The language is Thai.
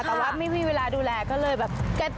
แต่ว่าไม่มีเวลาดูแลก็เลยแบบ